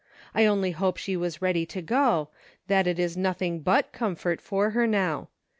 I only hope she was ready to go ; that it is nothing but comfort for her now.